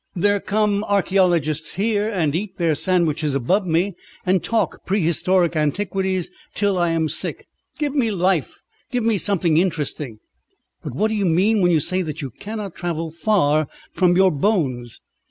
There come archæologists here and eat their sandwiches above me, and talk prehistoric antiquities till I am sick. Give me life! Give me something interesting!" "But what do you mean when you say that you cannot travel far from your bones?"